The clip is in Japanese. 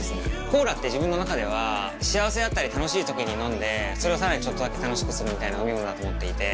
コーラって自分の中では幸せだったり楽しい時に飲んでそれをさらにちょっとだけ楽しくするみたいな飲み物だと思っていて。